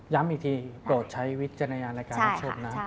ย้ำอีกทีโปรดใช้วิทยาลัยรายการรับโชคนะ